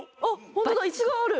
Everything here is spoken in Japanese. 本当だ椅子がある。